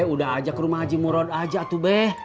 udah aja ke rumah haji murad aja tuh be